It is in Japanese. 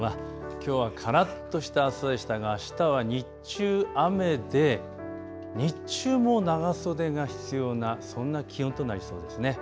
きょうはからっと暑さでしたがあしたは日中雨で日中も長袖が必要なそんな気温となりそうですね。